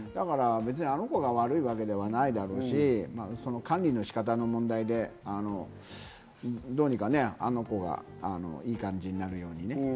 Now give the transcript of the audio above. あの子が悪いわけではないだろうし、管理の仕方の問題で、どうにかね、あの子がいい感じになるようにね。